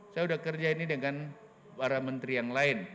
saya sudah kerja ini dengan para menteri yang lain